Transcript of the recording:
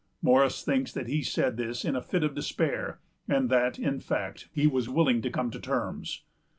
Morris thinks that he said this in a fit of despair, and that, in fact, he was willing to come to terms.